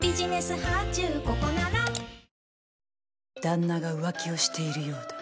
旦那が浮気をしているようだ。